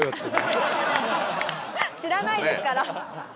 知らないですから。